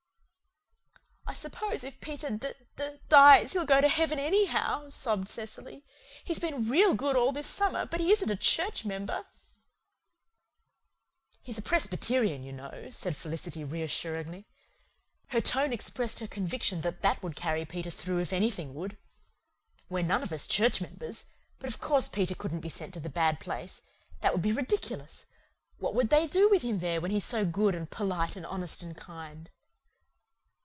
"I suppose if Peter d d dies he'll go to heaven anyhow," sobbed Cecily. "He's been real good all this summer, but he isn't a church member." "He's a Presbyterian, you know," said Felicity reassuringly. Her tone expressed her conviction that that would carry Peter through if anything would. "We're none of us church members. But of course Peter couldn't be sent to the bad place. That would be ridiculous. What would they do with him there, when he's so good and polite and honest and kind?"